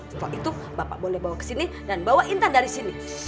setelah itu bapak boleh bawa ke sini dan bawa intan dari sini